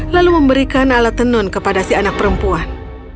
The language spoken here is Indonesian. lalu memberikan alat tenun kepada si anak perempuan